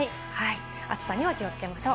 暑さには気をつけましょう。